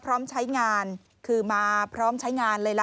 พร้อมใช้งานคือมาพร้อมใช้งานเลยล่ะ